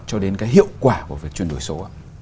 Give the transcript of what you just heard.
cho đến cái hiệu quả của việc truyền đổi số